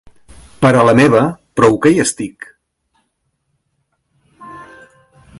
Pera la meva prou que hi estic.